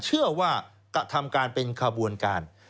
เชื่อว่ากระทำการเป็นขบวนการ